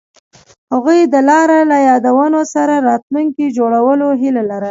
هغوی د لاره له یادونو سره راتلونکی جوړولو هیله لرله.